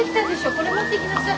これ持っていきなさい。